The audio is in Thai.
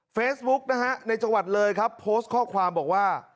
เฟซบุ๊กนะฮะในจังหวัดเลยครับโพสต์ข้อความบอกว่า